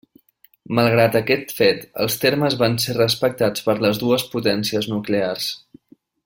Malgrat aquest fet, els termes van ser respectats per les dues potències nuclears.